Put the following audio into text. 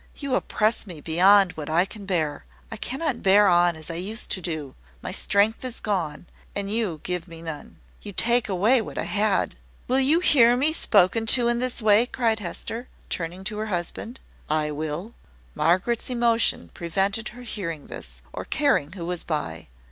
"You oppress me beyond what I can bear. I cannot bear on as I used to do. My strength is gone, and you give me none. You take away what I had!" "Will you hear me spoken to in this way?" cried Hester, turning to her husband. "I will." Margaret's emotion prevented her hearing this, or caring who was by.